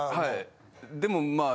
でもまあ。